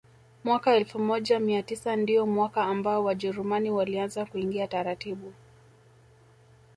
Mwaka elfu moja mia tisa ndio mwaka ambao Wajerumani walianza kuingia taratibu